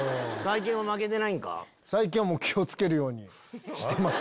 最近は気を付けるようにしてます。